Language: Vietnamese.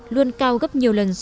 luôn cao gấp nhiều lần